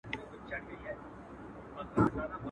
پردی سپى، په ډوډۍ خپل.